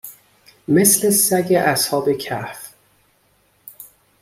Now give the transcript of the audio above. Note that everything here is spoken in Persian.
مثل سگ اصحاب کَهف